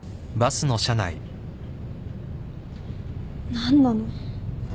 何なの？